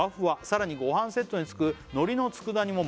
「さらにごはんセットにつく海苔のつくだ煮も」